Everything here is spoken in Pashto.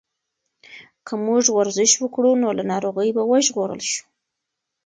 که موږ ورزش وکړو نو له ناروغیو به وژغورل شو.